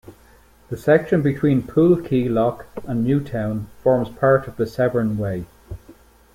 The section between Pool Quay Lock and Newtown forms part of the Severn Way.